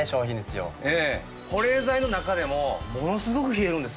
保冷剤の中でもものすごく冷えるんです